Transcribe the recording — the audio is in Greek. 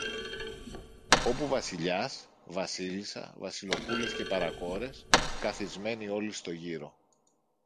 όπου Βασιλιάς, Βασίλισσα, Βασιλοπούλες και παρακόρες, καθισμένοι όλοι στο γύρο